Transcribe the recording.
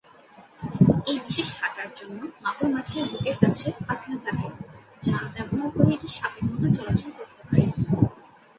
এই বিশেষ হাঁটার জন্য মাগুর মাছের বুকের কাছে পাখনা থাকে যা ব্যবহার করে এটি সাপের মত চলাচল করতে পারে।